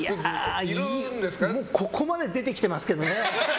ここまで出てきてますけどね。